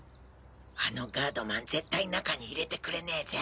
あのガードマン絶対中に入れてくれねぜ。